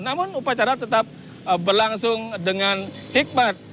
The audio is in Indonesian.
namun upacara tetap berlangsung dengan hikmat